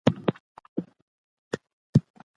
نظم د پرمختګ لومړی ګام دی.